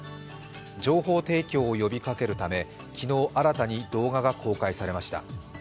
情報提供を呼びかけるため、昨日、新たに動画が公開されました。